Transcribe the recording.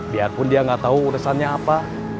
biarpun dia nggak tahu urusannya apa